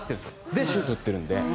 で、シュートを打ってるので。